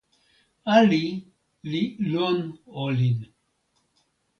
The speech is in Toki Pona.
ali li lon olin.